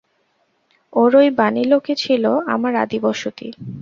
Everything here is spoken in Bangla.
ওরই বাণীলোকে ছিল আমার আদি বসতি।